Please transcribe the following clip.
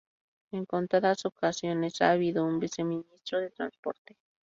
En contadas ocasiones ha habido un Viceministro de Transporte.